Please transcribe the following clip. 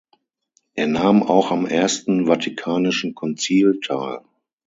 Er nahm auch am Ersten Vatikanischen Konzil teil.